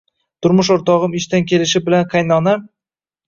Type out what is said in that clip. Turmush o`rtog`im ishdan kelishi bilan qaynonam